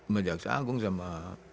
majak sagung sama